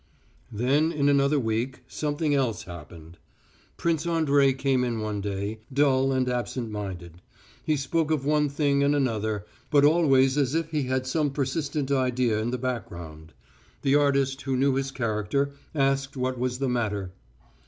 Then, in another week, something else happened. Prince Andrey came in one day, dull and absent minded. He spoke of one thing and another, but always as if he had some persistent idea in the background. The artist, who knew his character, asked what was the matter.